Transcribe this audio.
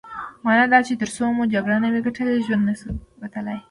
مانا دا چې ترڅو مو جګړه نه وي ګټلې ژوندي نه شو وتلای.